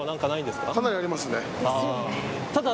かなりありますね。